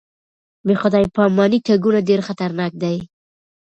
بې خدای پاماني تګونه ډېر خطرناک دي.